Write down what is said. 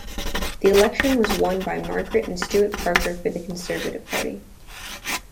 The election was won by Margaret and Stuart Parker for the Conservative Party.